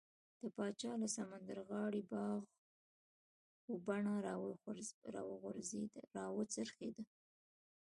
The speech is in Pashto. د پاچا له سمندرغاړې باغ و بڼه راوڅرخېدو.